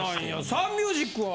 サンミュージックは？